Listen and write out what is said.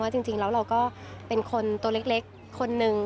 จริงแล้วเราก็เป็นคนตัวเล็กคนนึง